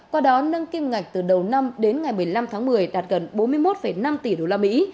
qua đó nâng kim ngạch từ đầu năm đến ngày một mươi năm tháng một mươi đạt gần bốn mươi một năm tỷ đô la mỹ